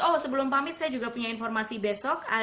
oh sebelum pamit saya juga punya informasi besok